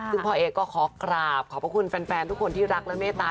ซึ่งพ่อเอ๊ก็ขอกราบขอบพระคุณแฟนทุกคนที่รักและเมตตา